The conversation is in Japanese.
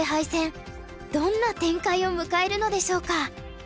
どんな展開を迎えるのでしょうか。